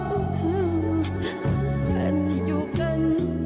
พันอยู่กันทั้งทุกคน